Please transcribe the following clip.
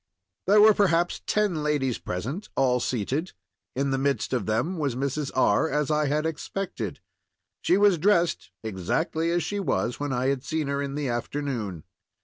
There were perhaps ten ladies present, all seated. In the midst of them was Mrs. R., as I had expected. She was dressed exactly as she was when I had seen her in the afternoon.